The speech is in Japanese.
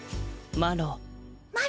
マロ？